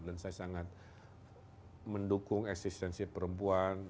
dan saya sangat mendukung eksistensi perempuan